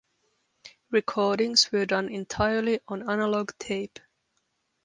Recordings were done entirely on analogue tape.